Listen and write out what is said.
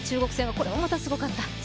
これもまたすごかった。